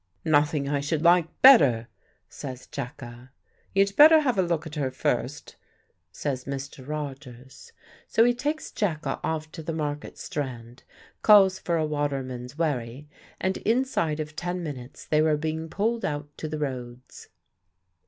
"Nothing I should like better," says Jacka. "You'd better have a look at her first," says Mr. Rogers. So he takes Jacka off to the Market Strand, calls for a waterman's wherry, and inside of ten minutes they were being pulled out to the Roads.